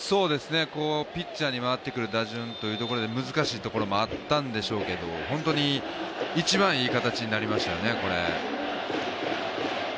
ピッチャーに回ってくる打順というところで難しいところもあったんでしょうけど本当に一番いい形になりましたよね。